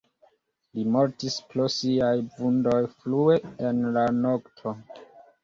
Li mortis pro siaj vundoj frue en la nokto.